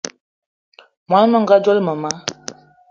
Món menga dzolo mema